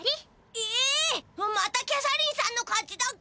えまたキャサリンさんの勝ちだか。